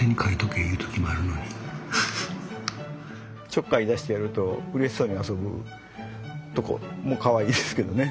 ちょっかい出してやるとうれしそうに遊ぶとこもかわいいですけどね。